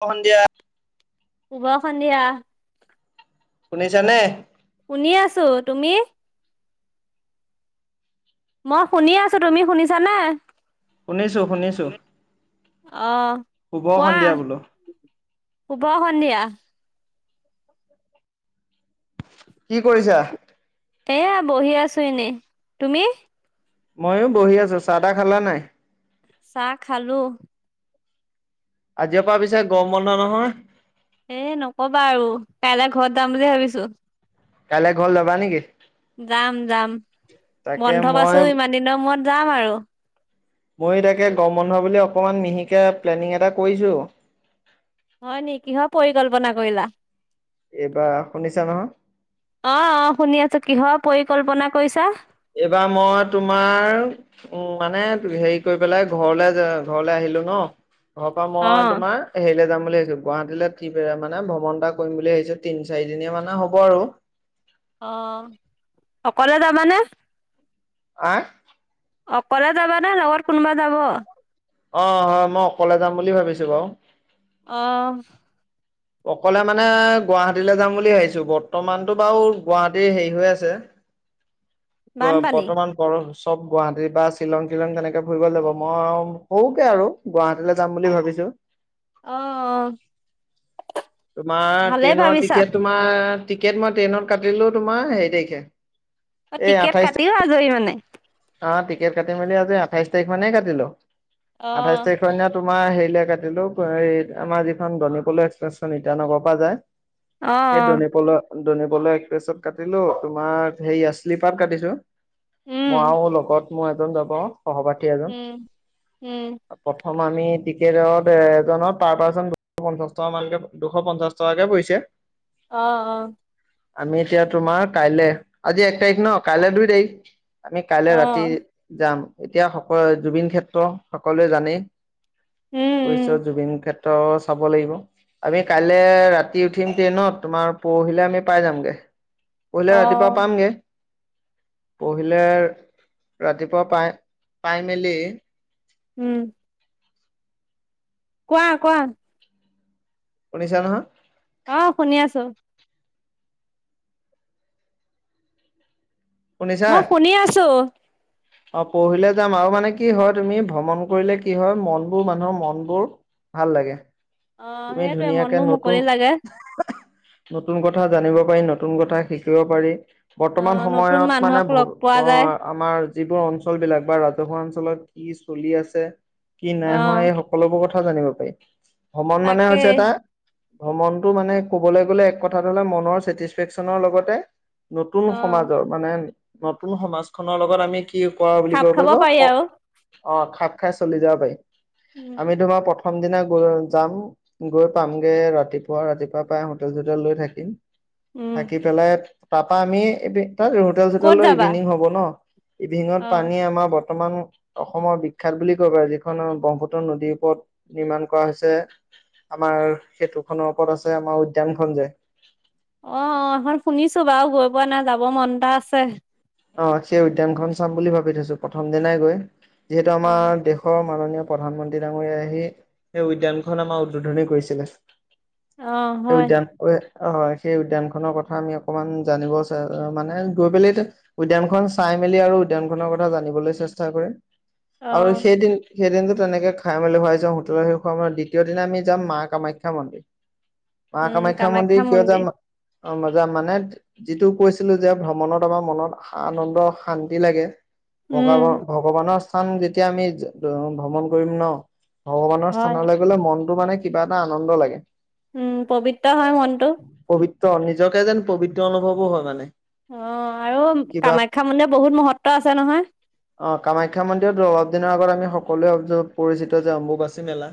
সন্ধিয়া উভা সন্ধিয়া [unintelligible] শুনিছা নে শুনি আছো তুমি মই শুনি আছো তুমি শুনিছানে শুনিছোঁ শুনিছো অ শুভ সন্ধিয়া বোলো উভ হন্ধীয়া [unintelligible] কি কৰিছা এয়া বহি আছো এনেই তুমি ময়ো বহি আছো চাহদাহ খালা নাই [unintelligible] চাহ খালো আজি পৰা পিছে গম বন্ধ নহয় এ নকবা আৰু কাইলৈ ঘৰত যাম বুলি ভাবিছো [unintelligible] কাইলৈ ঘৰ যাবা নেকি [unintelligible] যাম যাম তাকে বন্ধ মই পাইছো ইমান দিনৰ মূৰত যাম আৰু [unintelligible] মই তাকে গম বন্ধ বুলি অকনমান মহিকে প্লেনিং এটা কৰিছো [unintelligible] হয় নে কিহৰ পৰিকল্পনা কৰিলা এইবাৰ শুনিছা নহয়? অ অ শুনি আছো কিহৰ পৰিকল্পনা কৰিছা এইবাৰ মই তোমাৰ উম মানে হেৰি কৰি পেলাই ঘৰলে ঘৰলে আহিলো ন [unintelligible] ঘৰ পা অ মই তোমাৰ হেৰিলে যাম [unintelligible] ছো গুৱাহাটী মানে ভ্ৰমণ এটা কৰিম বুলি ভাবিছো তিন চাৰি দিনীয়া মানে হ'ব আৰু [unintelligible] অ অকলে যাবানে [unintelligible] আহ অকলে যাবা নে লগৰ কোনোবা যাব অ হয় মই অকলে যাম বুলি ভাবিছো বাৰু আহ অকলে মানে গুৱাহাটীলৈ যাম বুলি ভাবিছো বৰ্তমানতটো বাৰু গুৱাহাটীৰ হেৰি হৈ আছে অ বানপানী বৰ্তমান বৰসূচ চব গুৱাহাটী বা শ্বিলং শ্বিলং কেনেকে ফুৰি গল যাব মই সৰুকে আৰু গুৱাহাটীলৈ যাম বুলি ভাবিছো [unintelligible] আহ তোমাৰ ট্ৰেইনৰ টিকট তোমাৰ টিকেট মই ট্ৰেইনত কাটিলো তোমাৰ হেৰি তাৰিখে [unintelligible] অ এই টিকেট আঠাইছ কাটিও আজৰি মানে অ টিকেট কাটি মেলি আজি আঠাইছ তাৰিখ মানে কাটিলো অ আঠাইছ তাৰিখ [unintelligible] আমাৰ হেৰিলে কাটিলো আমাৰ যিখন দনিকল্লু এক্সপ্ৰেন ইটানগৰ পৰা যায় [unintelligible] সেই ধনে পলৰ ধনী বল এক্প্ৰেছত কাটিলো তোমাৰ সেয় শ্লিপাত কাটিছো উম আৰু লগত মই এজন য পাওঁ সহপাঠী এজন উম উম প্ৰথম আমি [unintelligible] এজনত পাৰ পাৰ্চন দুশ পঞ্চাশ টকা মানকে দুশ পঞ্চাশ টকাকে পৰিছে [unintelligible] আহ অ আমি এতিয়া তোমাৰ কাইলে আজি এক তাৰিখ ন কাইলৈ দুই তাৰিখ [unintelligible] আমি কাইলে অ ৰাতি যাম এতিয়া সকল জুবিন ক্ষেত্ৰ সকলোৱে জানেই উম পছ উম জুবিন ক্ষেত্ৰ চাব লাগিব। আমি কাইলৈ ৰাতি উঠিম ট্ৰেইনত তোমাৰ পৰহিলে আমি পাই যামগে অ পিলে ৰাতিপুৱা পামগে প পহিলে ৰাতিপুৱা পাই পাই মেলি উম কোৱা কোৱা। উঊনিছ নহয়। অ শুনি আছো। শুনিছা মই শুনি আছো। অ পঢ়িলে যাম আৰু মানে কি হয় তুমি ভ্ৰমণ কৰিলে কি হয় মনবোৰ মানুহৰ মনবোৰ ভাল লাগে অ তুমি সেইটোৱে ধুনীয়াকে মনবোৰ মুকলি নতুন লাগে নতুন কথা জানিব পাৰি নতুন কথা শিকিব পাৰি অ বৰ্তমান নতুন সময়ত মানে মানুহক লগ পোৱা যায় আমাৰ যিবোৰ অঞ্চল বিলাক বা ৰাজহুৱা অঞ্চলত কি চলি আছে কি অ নাইহোৱা এই সকলোবোৰ কথা কথা জানিব পাৰি ভ্ৰমণ মানে হৈছে তাকেই এটা ভ্ৰমণটো মানে ক'বলৈ গ'লে এক কথাটো হ'লে মনৰ চছেটিছফেকচনৰ লগতে নতুন অ সমাজৰ মানে নতুন সমাজখনৰ লগত আমি কি কৰা বুলি খাপ কব খাব পাৰিব পাৰি আৰু অ খাপ খাই চলি যাব পাৰি উম আমি তোমাৰ প্ৰ প্ৰথম দিনা গৈ যাম গৈ পামগে ৰাতিপুৱা ৰাতিপুৱা প্ৰাই হোটেল চোটেল লৈ থাকিম উম থাকি পেলাই তাৰপা আমি এই তাত হোটেল চোটেল ক'ত যাবা ইভিনিং হ'ব ন ইভিনিঙত অ পানী আমাৰ ব বৰ্তমান অসমৰ বিখ্যাত বুলি কব পাৰি যিখন ব্ৰংশত নদীৰ ওপৰত নিৰ্মাণ কৰা হৈছে। আমাৰ সেইটোখনৰ ওপৰত আছে আমাৰ উদ্যানখন যে অ এখন শুনিছো বাৰু গৈ পোৱা নাই যাব মন এটা আছে। অ সেই উদ্যানখন চাম বুলি ভাবি থৈছো প্ৰথম দিনাই গৈ যিহেতু অ আমাৰ দেশৰ মাননীয় প্ৰধানমন্ত্ৰী ডাঙৰ আহি সেই উদ্যানখন আমাৰ উদ্বোধন কৰিছিলে। স অ হয় উদ্যান অ ই হয় সেই উদ্যয়ান খনৰ কথা আমি অকমান জানিবো মানে গৈ পেলি উদ্যানখন চাই মেলি আৰু উদ্যান খনৰ কথা জানিবলৈ চেষ্টা কৰে অ আৰু সেইদিন সেইদিনতো তেনেকে খাই মেলি ভুৱাই যাওঁ হোটেলৰ শে খোৱাৰ মত দ্বিতীয় দিনা আমি যাম মা কামাখ্যা মন্দিৰ। ম কামাখ্যা মন্দিৰ কহত, অ মজা মানে যিটো কৈছিলো যে ভ্ৰমণত আমাৰ মনত আনন্দ শান্তি লাগে। ভগ উম ভগৱানৰ স্থান যেতিয়া আমি ভ্ৰমণ কৰিম ন। ভগৱানৰ হয় স্থানলৈ গলে মনটো মানে কিবা এটা আনন্দ লাগে। উম পবিত্ৰ হয় মনটো। ত নিজকে যেন পবিত্ৰ অনুভৱো হয় মানে অ আৰু কিবা কামাখ্যা মন্দিৰ বহুত মহত্ব আছে নহয়। অ কামাখ্যা মন্দিৰত অলপ দিনৰ আগত আমি সকলোৱে পৰিচিত যে অম্বুবাচী মেলা-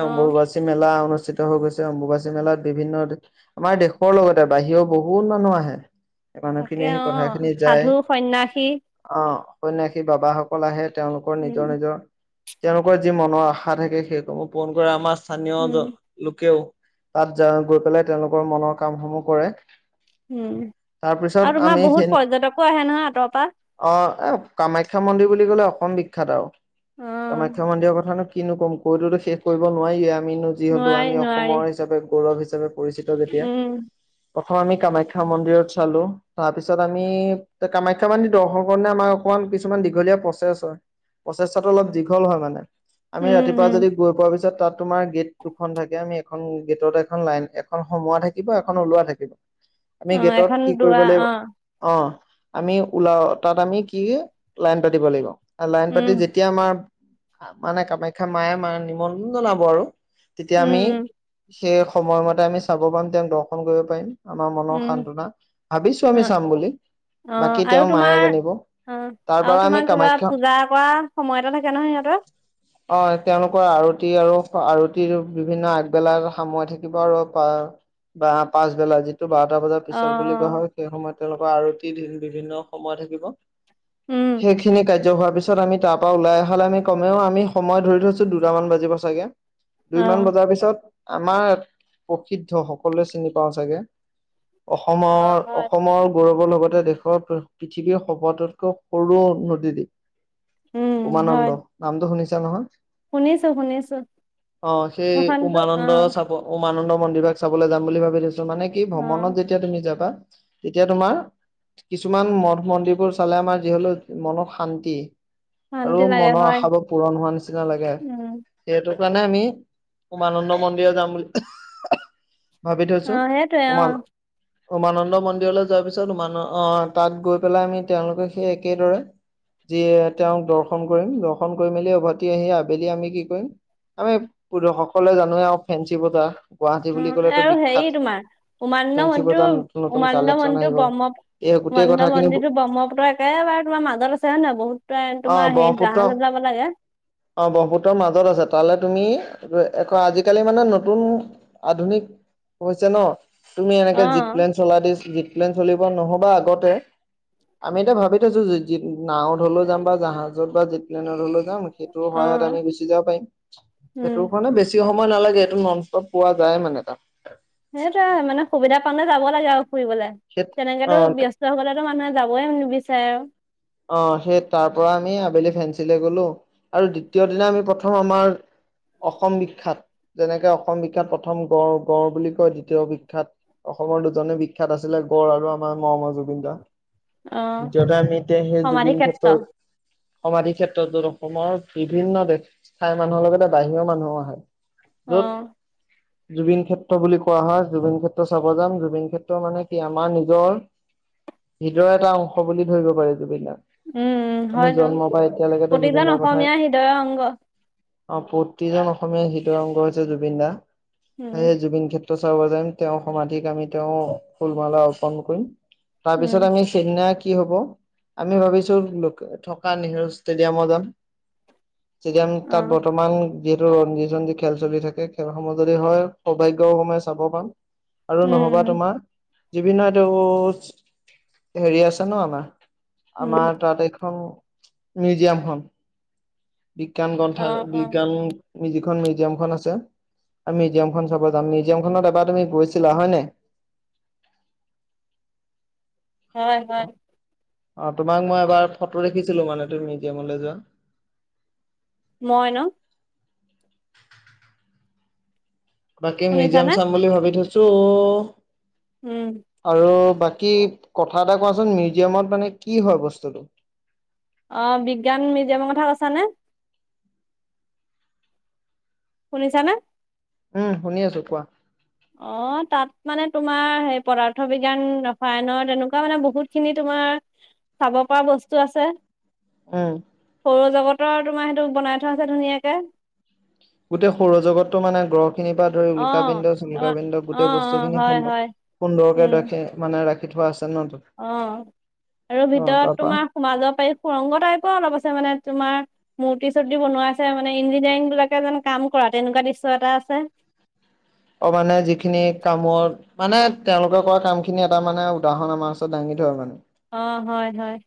অ ম বছিমেলা অনুস্থিত হৈ গৈছে অম্বুবাচী মেলাত বিভিন্ন আমাৰ দেশৰ লগতে বাহিৰৰও বহুত মানুহ আহে। তাকে মানুহখিনিয়ে সি অ কথা সাধু সন্যাসী অ সন্নয়াসী বাবা সকল আহে তেওঁলোকৰ নিজৰ উম নিজৰ তেওঁলোকৰ যি মনৰ আশা থাকে সেইসমহ পূণ কৰে আমাৰ স্থানীয় উম জন লোকেও তাত য গৈ পেলাই তেওঁলোকৰ মনৰ কামসমূহ কৰে উম তাৰপিছত আৰু তোমাৰ আমি সেই বহুত পৰ্যটকো আহে নহয় আঁতৰ পৰা- অ এ কামাখ্যা মন্দিৰ বুলি ক'লে অসম বিখ্যাত আৰু অ কামাখ্যা মন্দিৰৰ কথা ন। কিনো ক'ম কৈততো শেষ কৰিব নোৱাৰে আমিনো যিহেতু নোৱাৰি আমি নোৱাৰি অসমৰ হিচাপে গৌৰৱ হিচাপে। পৰিচিত তাতে। উম প্ৰথমতে কামাখ্যা মন্দিৰত চালোঁ তাৰপিছত আমি কামাখ্যা মন্দিৰ দৰ্শন [unintelligible] আমাৰ অকমান কিছুমান দীঘলীয়া প্ৰচেছ হয়। প্ৰচেষ্টাটো অলপ দীঘল হয় মানে আমি উম ৰাতিপুৱা উম যদি গৈ পোৱাৰ পিছত তাত তোমাৰ গেট দুখন থাকে আমি এখন গেটত এখন লাইন এখন সোমোৱা থাকিব এখন ওলোৱা থাকিব। আমি অ গেটত এখন কি কৰিব দুৱা লাগিব? অ অ আমি ওলাও তাত আমি কি লাইন পাতিব লাগিব। লাইন পাতি উম যেতিয়া আমাৰ মানে কামাখ্যা মায়ে ম নিমন্ত্ৰণ জনাব আৰু। তেতিয়া উম আমি উম সেই সময়মতে আমি চাব পাৰিম তেওঁক দৰ্শন কৰিব পাৰিম। আমাৰ মনৰ উম সান্তনা ভাবিছো অ আমি চাম বুলি অ বাকী আৰু তেওঁৰ মায়ে তোমাৰ জানিব। অ তাৰ আৰু পৰা আমি তোমাৰ কিবা কামাখ্যা পূজা কৰা সময় এটা থাকে নহয় সিহঁতৰ? অ তেওঁলোকৰ আৰতি আৰু আৰতিৰ বিভিন্ন আগবেলাত সাময় থাকিব আৰু বা পাঁচ বেলা টো বাৰটা বজাৰ অ পিছত বুলি অ কোৱা হয় সেই সময়ত তেওঁলোকৰ আৰতি বিভিন্ন সময় থাকিব। উম সেইখিনি কাজ হোৱাৰ পিছত আমি তাৰ পৰা ওলাই অহালে আমি কমেও আমি সময় ধৰি থৈছো দুটামান বাজিব চাগে। অ'। দুইমান বজাৰ পিছত আমাৰ ইয় প্ৰসিদ্ধ সকলোৱে চিনি পাওঁ চাগে। অ', অসমৰ হয়। অসমৰ গৌৰৱৰ লগতে দেশৰ পৃথিৱীৰ সবাটোটকৈ সৰু নদী উম, দ্বীপ। হয়, উমানন্দ নামটো শুনিছা নহয়? শুনিছো শুনিছো অ সেই সেইখনতো উমানন্দ অ', চাপৰ আমানন্দ মন্দিৰক চাবলৈ যাম বুলি ভাবি থৈছো! মান কি ভ্ৰমণত অ', যেতিয়া তুমি যাবা এতিয়া তোমাৰ কিছুমান মঠ মন্দিৰবোৰ চালে আমাৰ যিহলেও মন শান্তি আৰু শান্তি লাগে মনৰ হয়, আশাবোৰ পূৰণ হোৱা নিচিনা লাগে উম, সেইটো। পোৱা নে আমি উমানন্দ মন্দিৰত যাম বুলি ভাবি থৈছো অ', সেইটোৱে উমান অ', উমানন্দ মন্দিৰলৈ যোৱাৰ পিছত মান অ তাত গৈ পেলাই আমি তেওঁলোকে সেই একেদৰে যিয় তেওঁক দৰ্শন কৰিম দৰ্শন কৰি মেলি উভতি আহি আবেলি আমি কি কৰিম আমি পু সকলোৱলে জানোৱে আও ফেঞ্চি বজা উম আৰু হেৰি তোমাৰ উমানন্দ ফেঞ্চি মন্দিৰ বজাৰ নতুন নতুন উমানন্দ কালেকচন মন্দিৰ টো আহিব ব্ৰহ্মপু এই গোটেই উমানন্দ কথাখিনি মন্দিৰটো ব্ৰহ্মপুত্ৰৰ একেবাৰে তোমাৰ মাজত আছে হয় নহয় বহুত অ তোমাৰ হেৰি ব্ৰহ্মপুত্ৰ জাহাজত যাব লাগে। অ ব্ৰহ্মপুতৰ মাজত আছে। তাললে তুমি আজিকালি মানে নতুন আধুনিক হৈছে ন। তুমি অ', এনেকে জিট প্লেন চলাই দিছ জিট প্লেন চলিব নহ'বা আগতে আমি এতিয়া ভাবি থৈছো নাৱত হলেও যাম বা জাহাজত বা জিপ লাইন ত হলেও যাম। যাম সেইটোৰ সহায়ত আমি অ', গুচি যাব পাৰিম। উম। সেইটোৰ কাৰণে বেছি সময় সময় নালাগে এইটো নন ষ্টপ পোৱা যায় মানে তাত। সেইটোৱে মানে সুবিধা পালে যাব লাগে আৰু ফুৰিবলে সেই অ তেনেকেতো ব্যস্ত হবলে মানুহে যাবই নিবিচাৰে। অ সেই তাৰ পৰা আমি আবেলি ফেঞ্চিলৈ গলো আৰু দ্বিতীয় দিনা আমি প্ৰথম আমাৰ অসম বিখ্যাত যেনেকে অসম বিখ্যাত প্ৰথম গড় গড় বুলি কয় দ্বিতীয় বিখ্যাত অসমৰ দুজনে বিখ্যাত আছিলে গড় আৰু আমাৰ মৰমৰ জুবিনদা। অ'। দ্বিতীয়তে আমি এতিয়া সেই সমাধি জুবিন ক্ষেত্ৰ ক্ষেত্ৰত সমাধি ক্ষেত্ৰত ত অসমৰ বিভিন্ন দেশ থায় মানুহৰ লগতে বাহিৰৰ মানুহো আহে। য'ত অহ। জুবিন ক্ষেত্ৰ বুলি কোৱা হয় জুবিন ক্ষেত্ৰ চাব যাম জুবিন ক্ষেত্ৰ মানে কি আমাৰ নিজৰ হৃদয়ৰ এটা অংশ বুলি ধৰিব পাৰি। জুবিন দাক উম, আমি হয়তো। জন্ম পাই এতিয়ালৈকেতো জুবিন প্ৰতিজন দাৰ কথাই অসমীয়া হৃদয়ৰ অংগ। অ প্ৰতিজন অসমীয়া হৃদয় অংগ হৈছে জুবিন দা উম, সেয়ে জুবিন খেত চাব যাইম তেওঁ সমাধিক আমি তেওঁ ফুল মালা অৰ্পন কৰিম। উম, তাৰপিছত আমি চেন্নাইত কি হব? আমি ভাবিছো থকা নেহেৰু ষ্টেডিয়ামত যাম। ষ্টেডিয়াম তাত অ', বৰ্তমান। যিহেতু ৰঞ্জি ৰঞ্জী খেল চলি থাকে খেলসমূহ যদি হয় সৌভাগ্যও সময় চাব পাম। আৰু নহবা উম, তোমাৰ। জুৱিনৰ এইটো হেৰি আছে ন আমাৰ। উম, উম, আমাৰ তাত এখন মিউজিয়াম হল। বিজ্ঞান গ্ৰন্থ অ', অ', বিজ্ঞান যিখন মিউজিয়ামখন আছে। মিউজিয়ামখন চাব যাম মিউজিয়ামখনত এবাৰ তুমি গৈছিলা হয় নাই। [unintelligible] হয় হয়। অ তোমাক মই এবাৰ ফটো দেখিছিলো মানে তুমি মিউজিয়ামলৈ যোৱা। মই ন? বাকী মিউজিয়াম শুনিছানে? চাম বুলি ভাবি থৈছো উম, আৰু বা কি কথা এটা কোৱাচোন মিউজিয়ামত মানে কি হয় বস্তুটো। অ বিজ্ঞান মিউজিয়ামৰ কথা কৈছানে? শুনিছানে? উম শুনি আছো কোৱা। অ তাত মানে তোমাৰ সেই পদাৰ্থ বিজ্ঞান ৰসায়নৰ তেনেকুৱা মানে বহুত খিনি তম তোমাৰ চাব পৰা বস্তু আছে। আহ। সৌৰ জগতৰ আৰু তোমাৰ সেইটো বনাই থোৱা আছে ধুনীয়াকে। গোটেই সৌৰজগতটো মানে গ্ৰহ। খিনিৰ পৰা ধৰি অ', উলকা পিন্ধ চুল্কা কা অ', পিন্ধ অ', গোটেই বস্তু অ', খিনি হয়, হয়, সুন্দৰকে উম, ৰাখে মানে ৰাখ। অ আৰু অ ভিতৰত তাৰপা তোমাৰ মাজৰ পাৰি সুৰংগ টাইপৰ অলপ আছে মানে তোমাৰ। মূৰ্তি চূৰ্তি বনাইছে মানে ইঞ্জিনিয়াৰিং বিলাকে যেন কাম কৰা তেনেকুৱা দৃশ্য এটা আছে। [inaudible] অ মানে যিখিনি কামত মানে তেওঁলোকে কৰা কাম খিনি এটা মানে উদাহৰণ আমাৰ ওচৰত দাঙি ধৰে মানে। অ হয়, হয়।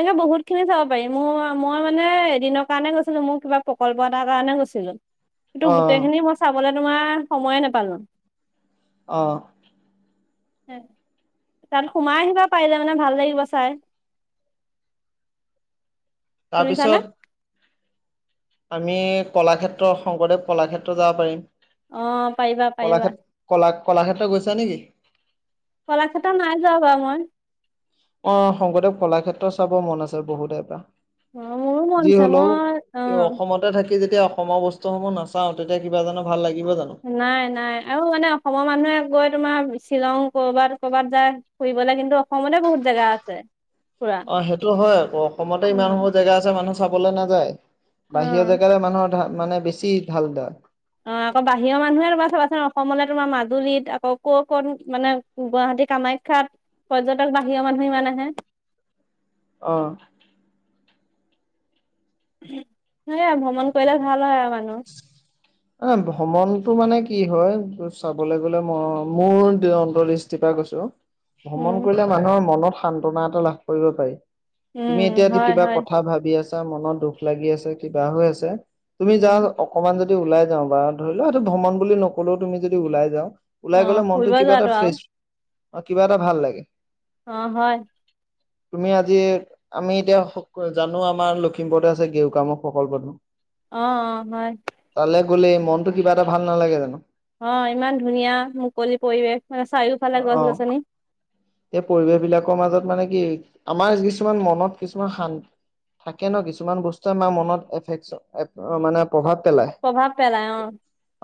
তেনেকে বহুতখিনি যাব পাৰি মোৰ মই মানে এদিনৰ কাৰণে গৈছিলো মোৰ কিবা প্ৰকল্প এটাৰ কাৰণে গৈছিলো। কিন্তু অ গোটেইখিনি মই চাবলে তোমাৰ সময়ে নেপালো। আহঁ তাত সোমাই আহিবা পাৰিলে মানে ভাল লাগিব চাই শুনিছানে তাৰপিছত আমি কলাক্ষেত্ৰ শংকৰদেৱ কলাক্ষেত্ৰ যাব পাৰিম। অ পাৰিবা, পাৰিবা। কলাক্ষেত্ৰত গৈছা নেকি? কলাক্ষেত্ৰ নাই যোৱা বাৰু মই। অ শংকৰদেৱ কলাক্ষেত্ৰ চাব মন আছে বহুত পৰা। অ মোৰো মন যি আছে হলেও মই এই অ অসমতে থাকে। যেতিয়া অসমৰ বস্তুসমূহ নাচাও, তেতিয়া কিবা জনো ভাল লাগে। নাই, নাই আৰু মানে অসমৰ মানুহে গৈ তোমাৰ। শ্বিলং কৰ'ৰবাত কৰ'ৰবাত যায় ফুৰিবলে কিন্তু অসমতে বহুত জাগা আছে। ফুৰা অ সেইটো হয় আকৌ অসমতে ইমান সমূহ উম, জেগা আছে মানুহ চাবলৈ নাযায়। অ বাহিৰৰ জেগাৰে মানুহৰ মানে বেছি ভাল পায়। অ আকৌ বাহিৰৰ মানুহে তোমাৰ চাবাচোন অসমলে তোমাৰ মাজুলীত আকৌ ক' কত মানে গুৱাহাটী। যদি কামাখ্যাত পৰ্যটক বাহিৰৰ মানুহ ইমান আহে। অহ। সেই আৰু ভ্ৰমণ কৰিলে ভাল হয় আৰু মানুহ। মানে ভ্ৰমণতটো মানে কি হয় চাবলৈ গ'লে ম মোৰ অন্তলিষ্টিপা ভ্ৰমণ উম কৰিলে মানুহৰ মনত সান্তনা এটা লাভ কৰিব পাৰি। উম তুমি এতিয়া হয় কিবা হয় কথা ভাবি আছা মনত দুখ লাগি আছে কিবা হৈ আছে। তুমি উম যাওঁ অকনমান যদি ওলাই যাওঁ বা ধৰি লোৱা এইেইটো ভ্ৰমণ বুলি নকলেও তুমি যদি ওলাই যাওঁ। অ ওলাই গলে মনতটো ফুৰিব কিবা এটা যোৱাটো আৰু ফ্ৰেছ কিবা এটা ভাল লাগে। অ হয় তুমি আজি আমি এতিয়া জানো আমাৰ লখিমপুৰতে আছে গেৰুকামুখ সকল প্ৰথম। অ অ হয় তালৈ গ'লে মনতটো কিবা এটা ভাল নালাগে জানো। অ ইমান ধুনীয়া মুকলি পৰিৱেশ মানে চাৰিওফালে গছ- অ', গছনি। এই পৰিৱেশ বিলাকৰ মাজত মানে কি আমাৰ কিছুমান মনত কিছুমান শান্ত থাকে ন কিছুমান বস্তুৱে আমাৰ মনত এফে মানে প্ৰভাৱ পেলাই প্ৰভাৱ পেলাই অ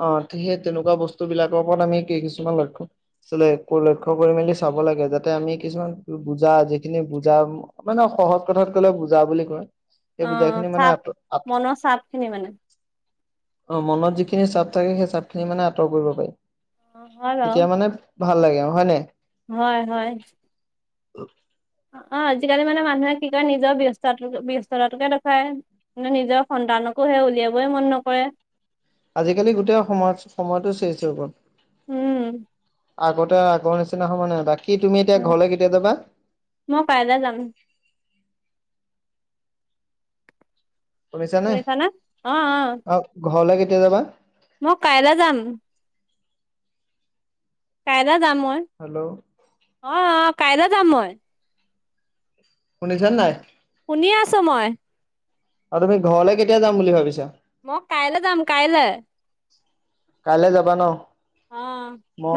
অ ঠিক সেই তেনেকুৱা বস্তু। বস্তু বিলাকৰ ওপৰত আমি কি কিছুমান লক্ষ্য চলে লক্ষ্য কৰি মেলি চাব লাগে। যাতে আমি কিছুমান বুজা যিখিনি বুজা মানে সহজ কথাত কলে বুজা বুলি কয়। অ', এই বুজাই খিনি মানে চাপ আত আত মনৰ চাপ খিনি মানে অ মনত যিখিনি চাপ থাকে সেই চাপ খিনি মানে আঁতৰ কৰিব পাৰি অ', হয় বাৰু তেতিয়া মানে ভাল লাগে অঁ হয় নাই। হয় হয়। [unintelligible] অঁ আজিকালি মানে মানুহে কি কয় নিজৰ ব্যস্তাটো ব্যস্ততাতোকে দেখায়ে নিজৰ সন সন্তানকো সে উলিয়াবই মন নকয়ে। আজিকালি গোটেই সময়চ সময়টো চেছ হৈ গ'ল। উম! আগতে আগৰ নিচিনা হ মানে দাক কি তুমি এতিয়া ঘৰলে কেতিয়া যাবা? মই কাইলৈ যাম শুনিছা নে অ ঘৰলৈ কেতিয়া যাবা? মো কাইলৈ যাম। কাইলে যাম মই হেল্ল' অ অ কাইলে যাম মই। শুনিছান নাই। শুনি আছো মই। অ তুমি ঘৰলে কেতিয়া যাম বুলি ভাবিছা? মই কাইলে যাম কাইলে। কাইলে যাবা ন। অ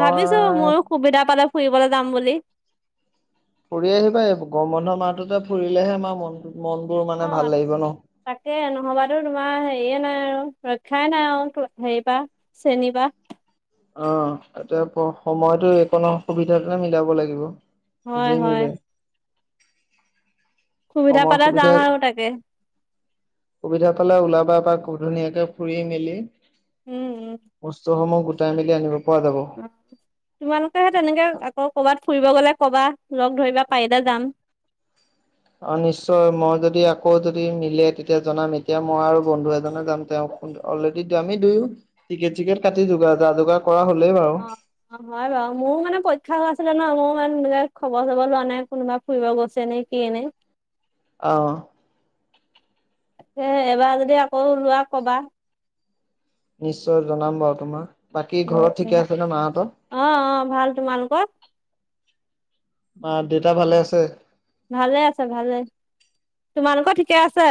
ভাবিছো মোৰো সুবিধা পালে ফুৰিবলে যাম বুলি। ফুৰি আহিবা এ গৰম বন্ধ মাহতোটে ফুৰিলেহে আমাৰ মনটো অঁ তাকে নহবাতো তোমাৰ হেৰিয়ে নাই আৰু ৰক্ষা এ নাই আও‌ টো হেয়ি পা চেনি পা অ এতিয়া ব সময়তো একনো সুবিধাটোহে মিলাব লাগিব। হয় যি হয়। মিলে সুবিধা পালে যাম আৰু তাকে। সুবিধা পালে ওলাবা এপাক ধুনীয়াকে ফুৰি মেলি উম বস্তুসমূহ গোটাই মেলি আনিব। পৰা যাব। উমহ তোমালোকেহে তেনেকে আকৌ কবাত ফুৰিব গ'লে কবা লগ ধৰিবা পাৰিলে যাম। অ নিশ্চয় মই যদি আকৌ যদি মিলে তেতিয়া জনাম এতিয়া মই আৰু বন্ধু এজনে যাম তেওঁক অলৰেডিটো আমি দুয়ো টিকেট চিকেট কাটি যোগাৰ যা যোগাৰ কৰা হ'লেই বাৰু অ অ হয় বাও মো মানে পইক্ষা হৈ আছিলে ন মো মান‌ মানে খব চব লোৱা নাই কোনোবা ফুৰিব গৈছে নে কিয়েনে। অহ। এ এবাৰ যদি আকৌ ওলোৱা কবা। নিশ্চয় জনাম বাও তোমা। বাকী উম ঘৰত ঠিকে উম আছে ন মাহত। অ অ ভাল তোমালোকৰ মা দেতা ভালে আছে। ভালে আছে ভালে তোমালোকৰ ঠিকে আছে।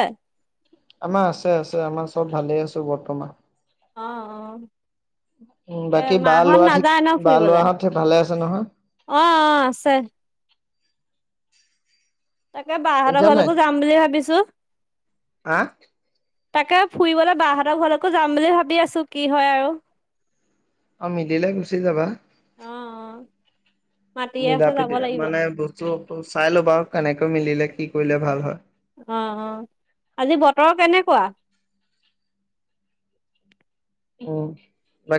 আমাৰ আছে আছে আমাৰ চব ভালে আছো বৰ্তমান। অঁ অঁ। উম বাকী বা লআ ঠিক বা লআ হতে ভালে আছে নহয়। অঁ অঁ আছে। তাকে বা শুনিছা হতৰ নাই ঘলৈকো যাম বুলিয়ে ভাবিছো। হা তাকে ফুইবলৈ বা হঁতৰ ঘৰলৈকো যাম বুলি ভাবি আছো কি হয় আৰু। অ মিলিলে গুচি যাবা। অ', অ', মাতিয়ে মিলা আছে যাব প্ৰিতি লাগিব অ', মানে বস্তু চাই ল'বা কেনেক টো মিলিলে কি কৰিলে ভাল হয়। অ অ আজি বতৰ কেনেকুৱা অ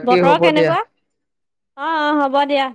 বতৰ কেনেকুৱা অ অ হ'ব দিয়া